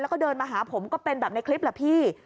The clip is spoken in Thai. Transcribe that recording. แล้วก็เดินมาหาผมก็เป็นแบบในคลิปแหละพี่